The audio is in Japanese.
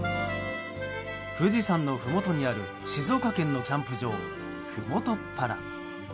富士山のふもとにある静岡県のキャンプ場ふもとっぱら。